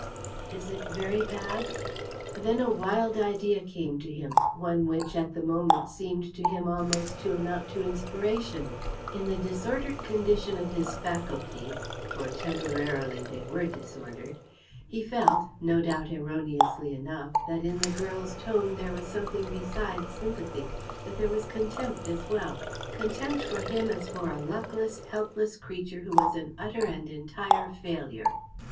"Is it very bad?" Then a wild idea came to him one which, at the moment, seemed to him almost to amount to inspiration. In the disordered condition of his faculties for, temporarily, they were disordered he felt, no doubt erroneously enough, that in the girl's tone there was something besides sympathy, that there was contempt as well contempt for him as for a luckless, helpless creature who was an utter and entire failure.